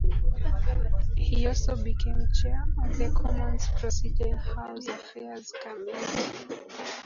He also became chair of the Commons Procedure and House Affairs Committee.